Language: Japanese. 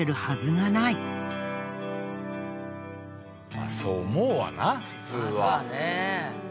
まあそう思うわな普通は。